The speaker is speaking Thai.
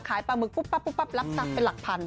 ขายปลาหมึกปุ๊บป๊บรับซับเป็นหลักพันธุ์